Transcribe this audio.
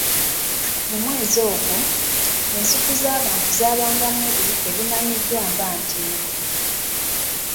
Mu mwezi ogwo, ensuku z'abantu zaabangamu ebiwuka ebimanyiddwa nga Ntenvu.